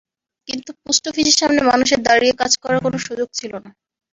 কিন্তু পোস্ট অফিসের সামনে মানুষের দাঁড়িয়ে কাজ করার কোনো সুযোগ ছিল না।